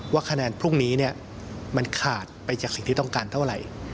ว่าคะแนนพรุ่งนี้มันขาดไปจากสิ่งที่ต้องการเท่าไหร่